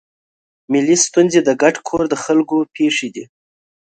ملي ستونزې د ګډ کور د خلکو پېښې دي.